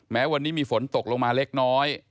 แม้วันนี้มีฝนตกลงมาเล็กน้อย